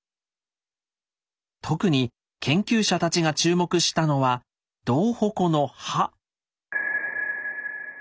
特に研究者たちが注目したのは銅矛の刃。